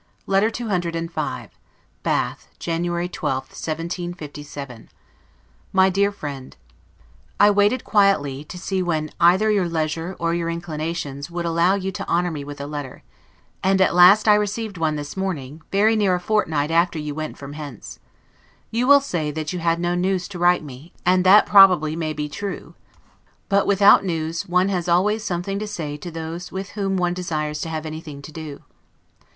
LETTERS TO HIS SON LETTER CCV BATH, January 12, 1757 MY DEAR FRIEND: I waited quietly, to see when either your leisure, or your inclinations, would al low you to honor me with a letter; and at last I received one this morning, very near a fortnight after you went from hence. You will say, that you had no news to write me; and that probably may be true; but, without news, one has always something to say to those with whom one desires to have anything to do.